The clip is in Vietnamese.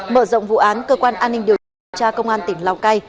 mở rộng vụ án cơ quan an ninh điều tra công an tỉnh lào cai